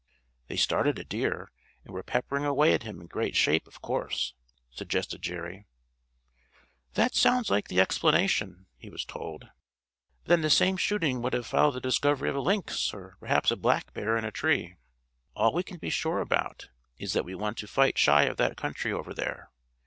"They started a deer, and were peppering away at him in great shape, of course?" suggested Jerry. "That sounds like the explanation," he was told; "but then the same shooting would have followed the discovery of a lynx, or perhaps a black bear in a tree. All we can be sure about is that we want to fight shy of that country over there.